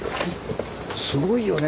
すごいよね。